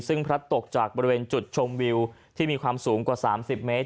ซึ่งพลัดตกจากบริเวณจุดชมวิวที่มีความสูงกว่า๓๐เมตร